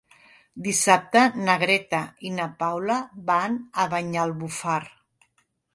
Dissabte na Greta i na Paula van a Banyalbufar.